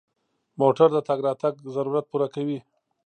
موټر د تګ راتګ ضرورت پوره کوي.